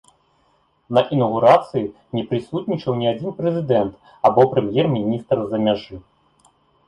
На інаўгурацыі не прысутнічаў ні адзін прэзідэнт або прэм'ер-міністр з-за мяжы.